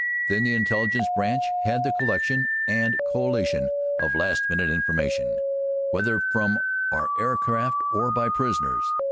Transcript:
Then the Intelligence branch had the collection and collation of last minute information, whether from our air craft or by prisoners.